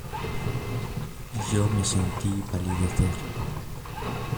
yo me sentí palidecer.